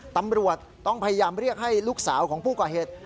ตำรวจต้องพยายามเรียกให้ลูกสาวของผู้ก่อเหตุ